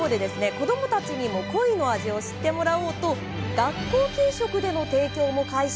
子供たちにもコイの味を知ってもらおうと学校給食での提供も開始。